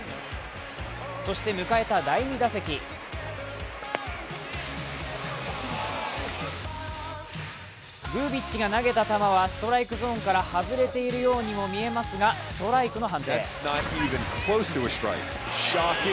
そして迎えた第２打席ブービッチが投げた球はストライクゾーンから外れているようにも見えますがストライクの判定。